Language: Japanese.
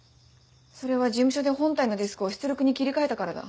それは事務所で本体のディスクを出力に切り替えたからだ。